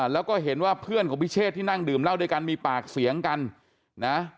แล้วก็เห็นว่าเพื่อนของพิเชษที่นั่งดื่มเหล้าด้วยกันมีปากเสียงกันนะ